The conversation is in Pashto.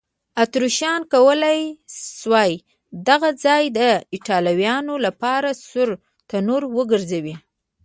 اتریشیانو کولای شوای دغه ځای د ایټالویانو لپاره سور تنور وګرځوي.